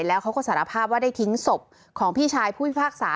แล้วเขาก็สารภาพว่าได้ทิ้งศพของพี่ชายผู้พิพากษา